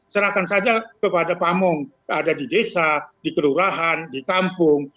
serahkan saja kepada pamung ada di desa di kelurahan di kampung